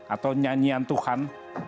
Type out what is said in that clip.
atau nyanyian tuhan